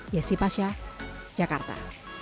yesi pasha jakarta